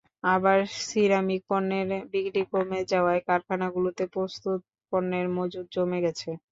আবার সিরামিক পণ্যের বিক্রি কমে যাওয়ায় কারখানাগুলোতে প্রস্তুত পণ্যের মজুত জমে গেছে।